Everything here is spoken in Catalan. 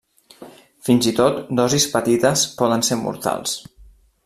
Fins i tot dosis petites poden ser mortals.